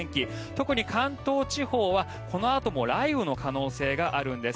特に関東地方はこのあと雷雨の可能性があるんです。